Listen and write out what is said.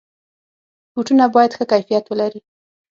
بوټونه باید ښه کیفیت ولري.